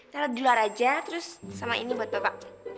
taruh dulu raja terus sama ini buat papa